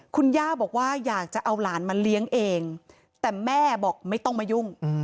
คุณย่าบอกว่าอยากจะเอาหลานมาเลี้ยงเองแต่แม่บอกไม่ต้องมายุ่ง